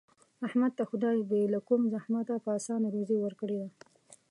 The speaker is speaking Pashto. احمد ته خدای بې له کوم زحمته په اسانه روزي ورکړې ده.